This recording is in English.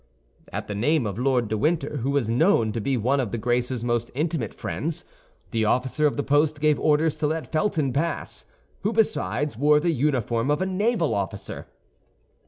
At the name of Lord de Winter, who was known to be one of his Grace's most intimate friends, the officer of the post gave orders to let Felton pass, who, besides, wore the uniform of a naval officer.